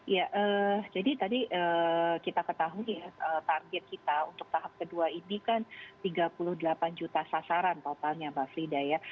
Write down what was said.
ya jadi tadi kita ketahui ya target kita untuk tahap kedua ini kan tiga puluh delapan juta sasaran totalnya mbak frida ya